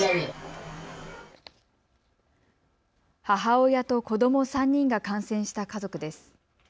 母親と子ども３人が感染した家族です。